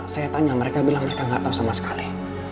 saya tanya mereka bilang mereka gak tau sama sekali